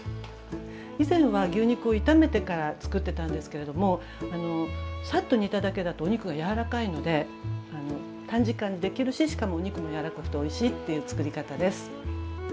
以前は牛肉を炒めてからつくってたんですけれどもサッと煮ただけだとお肉がやわらかいので短時間でできるししかもお肉もやわらかくておいしいっていうつくり方です。